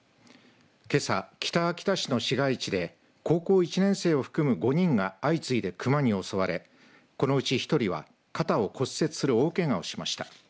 けさ、北秋田市の市街地で高校１年生を含む５人が相次いで熊に襲われこのうち１人は肩を骨折する大けがをしました。